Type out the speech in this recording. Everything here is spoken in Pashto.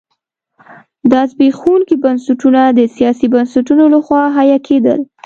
دا زبېښونکي بنسټونه د سیاسي بنسټونو لخوا حیه کېدل.